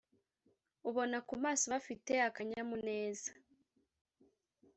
ubona ku maso bafite akanyamuneza